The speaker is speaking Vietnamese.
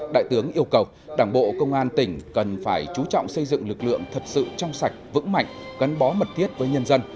đại tướng yêu cầu đảng bộ công an tỉnh cần phải chú trọng xây dựng lực lượng thật sự trong sạch vững mạnh gắn bó mật thiết với nhân dân